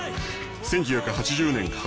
１９８０年発売